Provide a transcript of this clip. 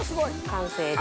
完成です。